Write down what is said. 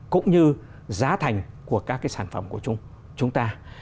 cũng như giá thành của các cái sản phẩm của chúng ta